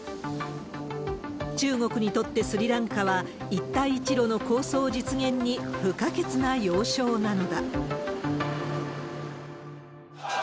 中国にとってスリランカは、一帯一路の構想実現に不可欠な要衝なのだ。